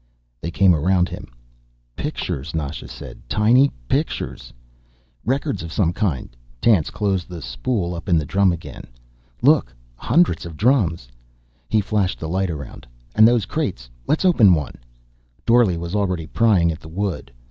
They came around him. "Pictures," Nasha said. "Tiny pictures." "Records of some kind." Tance closed the spool up in the drum again. "Look, hundreds of drums." He flashed the light around. "And those crates. Let's open one." Dorle was already prying at the wood.